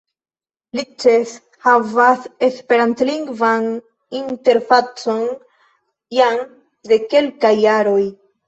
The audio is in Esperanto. Lichess havas esperantlingvan interfacon jam de kelkaj jaroj.